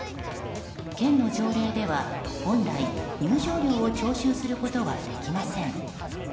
県の条例では本来、入場料を徴収することはできません。